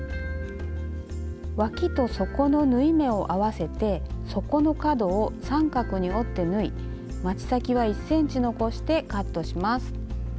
わきと底の縫い目を合わせて底の角を三角に折って縫いまち先は１ｃｍ残してカットします。